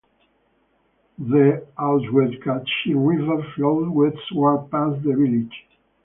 The Oswegatchie River flows westward past the village.